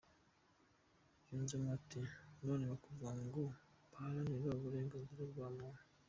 Yunzemoa ati “None bakavuga ngo baharanira uburenganzira bwa muntu ?